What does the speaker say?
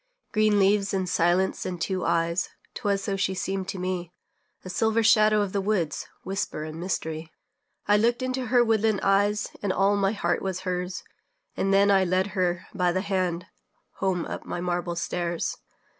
Green leaves and silence and two eyes 'Twas so she seemed to me; A silver shadow of the woods, Whisper and mystery. I looked into her woodland eyes, And all my heart was hers; And then I led her by the hand Home up my marble stairs.